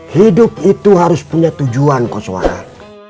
hidup itu harus punya tujuan kesonar